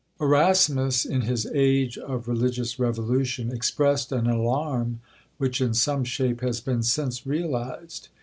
Erasmus, in his Age of Religious Revolution, expressed an alarm, which in some shape has been since realized.